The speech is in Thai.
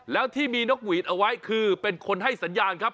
แล้วที่มีนกหวีดเอาไว้คือเป็นคนให้สัญญาณครับ